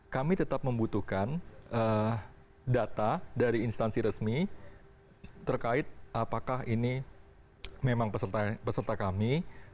kami tetap membutuhkan data dari instansi resmi terkait apakah ini memang peserta kami